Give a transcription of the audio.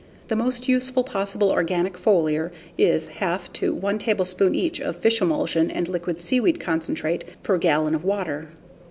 The most useful possible organic foliar is 1/2 to 1 tablespoon each of fish emulsion and liquid seaweed concentrate per gallon of water.